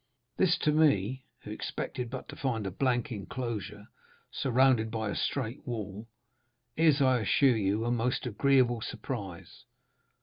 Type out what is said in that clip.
This to me, who expected but to find a blank enclosure surrounded by a straight wall, is, I assure you, a most agreeable surprise.